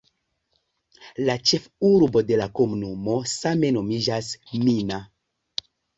La ĉefurbo de la komunumo same nomiĝas "Mina".